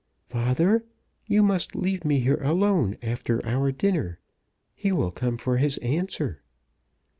"Father, you must leave me here alone after our dinner. He will come for his answer."